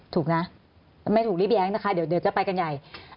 ถูกนะไม่ถูกรีบแย้งนะคะเดี๋ยวจะไปกันใหญ่